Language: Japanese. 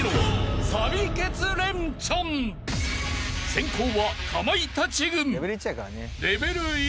［先攻はかまいたち軍］